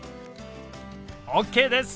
ＯＫです！